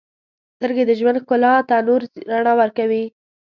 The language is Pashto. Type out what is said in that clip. • سترګې د ژوند ښکلا ته نور رڼا ورکوي.